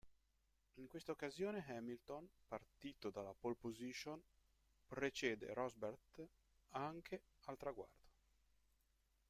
In questa occasione Hamilton, partito dalla pole position, precede Rosberg anche al traguardo.